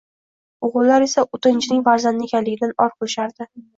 O`g`illar esa o`tinchining farzandi ekanligidan or qilishardi